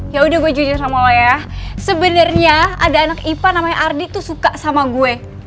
yaudah gue jujur sama lo ya sebenernya ada anak ipa namanya ardi tuh suka sama gue